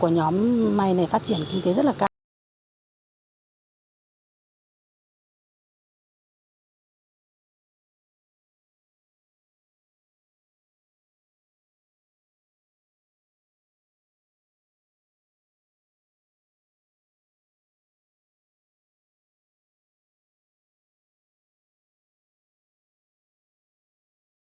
nhóm may này phát triển kinh tế rất là cao